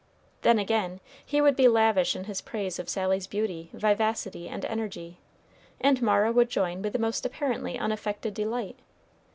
Then again he would be lavish in his praise of Sally's beauty, vivacity, and energy, and Mara would join with the most apparently unaffected delight.